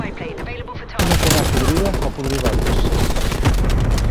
Una poma podrida en fa podrir d'altres.